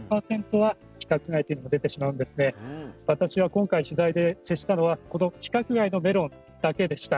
私は今回取材で接したのはこの規格外のメロンだけでした。